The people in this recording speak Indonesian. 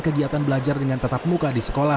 kegiatan belajar dengan tetap muka di sekolah